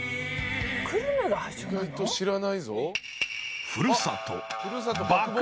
意外と知らないぞ。